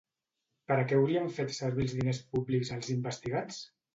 Per a què haurien fet servir els diners públics els investigats?